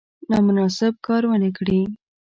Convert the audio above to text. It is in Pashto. نامناسب کار ونه کړي.